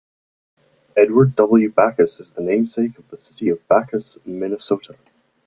Edward W. Backus is the namesake of the city of Backus, Minnesota.